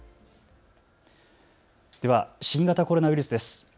では、新型コロナウイルスです。